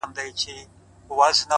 باندي شعرونه ليكم!